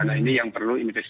nah ini yang perlu investiga